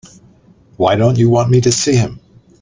Why don't you want me to see him?